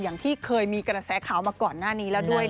อย่างที่เคยมีกระแสข่าวมาก่อนหน้านี้แล้วด้วย